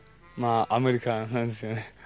まあアメリカなんですよね